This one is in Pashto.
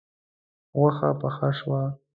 غوښه پخه شوه